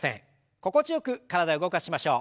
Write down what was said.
心地よく体を動かしましょう。